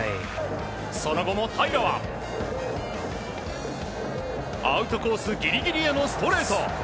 その後も平良はアウトコースギリギリへのストレート。